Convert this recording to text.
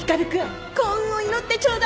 幸運を祈ってちょうだい！